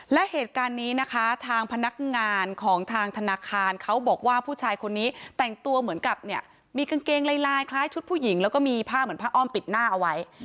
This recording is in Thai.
และเหตุการณ์นี้นะคะทางพนักงานของทางธนาคารเขาบอกว่าผู้ชายคนนี้แต่งตัวเหมือนกับเนี่ยมีกางเกงลายคล้ายชุดผู้หญิงแล้วก็มีผ้าเหมือนผ้าอ้อมปิดหน้าเอาไว้